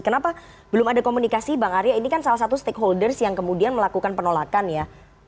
kenapa belum ada komunikasi bang arya ini kan salah satu stakeholders yang kemudian melakukan penolakan ya